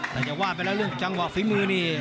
แต่จะว่าไปแล้วเรื่องจังหวะฝีมือนี่